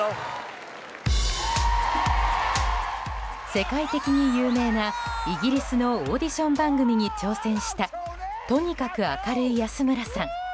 世界的に有名なイギリスのオーディション番組に挑戦したとにかく明るい安村さん。